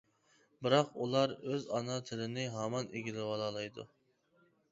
بىراق ئۇلار ئۆز ئانا تىلىنى ھامان ئىگىلىۋالالايدۇ.